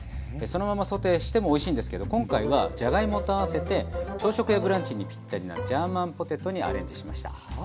そのままソテーしてもおいしいんですけど今回はじゃがいもと合わせて朝食やブランチにぴったりなジャーマンポテトにアレンジしました。